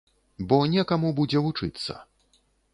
Бо некаму будзе вучыцца.